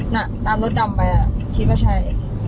น่ะตามรถดำไปคิดว่าใช่